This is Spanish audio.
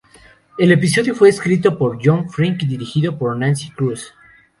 El episodio fue escrito por John Frink y dirigido por Nancy Kruse.